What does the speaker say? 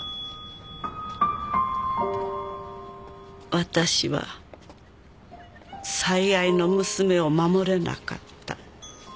「私は最愛の娘を守れなかった」